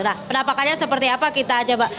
nah penampakannya seperti apa kita coba